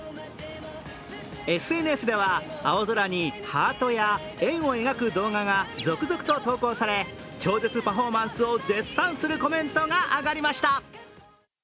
ＳＮＳでは青空にハートや円を描く動画が続々と投稿され超絶パフォーマンスを絶賛するコメントが上がりました。